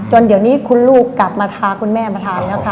เดี๋ยวนี้คุณลูกกลับมาทาคุณแม่มาทานแล้วค่ะ